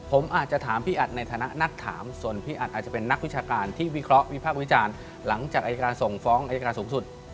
ผมอาจจะถามพี่อัดในฐานะนักถามส่วนพี่อัดอาจจะเป็นนักวิชาการที่วิเคราะห์วิพากษ์วิจารณ์หลังจากอายการส่งฟ้องอายการสูงสุด